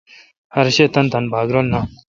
ھر شے°تانی تانی باگ رل این۔